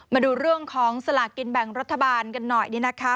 มาดูเรื่องของสลากกินแบ่งรัฐบาลกันหน่อยนี่นะคะ